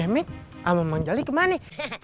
memet sama mangjali kemana